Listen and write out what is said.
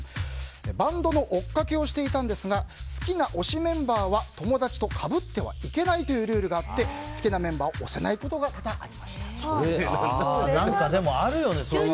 バンドの追っかけをしていたんですが好きな推しメンバーは友達とかぶってはいけないというルールがあって好きなメンバーを推せないことが何かでもあるよね。